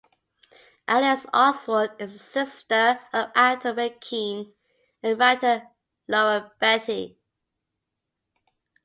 Alice Oswald is the sister of actor Will Keen and writer Laura Beatty.